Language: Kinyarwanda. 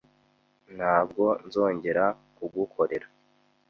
Ntabwo nzongera kugukorera.